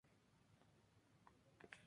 Así, el nodo se une a la red.